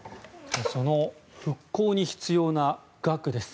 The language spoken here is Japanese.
復興に必要な額です。